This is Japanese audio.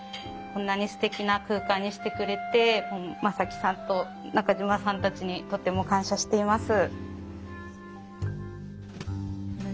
こんなにすてきな空間にしてくれて真己さんと中島さんたちにとても感謝しています。